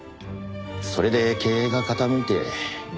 それで経営が傾いて。